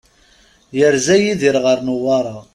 Yerza Yidir ɣer Newwara.